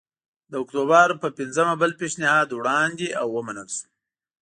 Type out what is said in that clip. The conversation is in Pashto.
د اکتوبر په پنځمه بل پېشنهاد وړاندې او ومنل شو